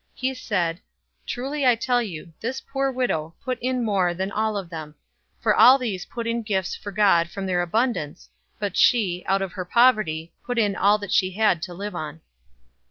} 021:003 He said, "Truly I tell you, this poor widow put in more than all of them, 021:004 for all these put in gifts for God from their abundance, but she, out of her poverty, put in all that she had to live on."